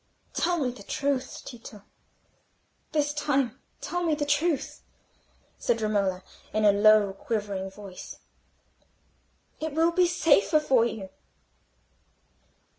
"Tell me the truth, Tito—this time tell me the truth," said Romola, in a low quivering voice. "It will be safer for you."